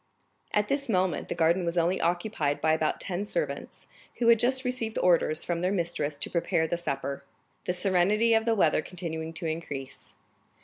At this moment the garden was only occupied by about ten servants, who had just received orders from their mistress to prepare the supper, the serenity of the weather continuing to increase.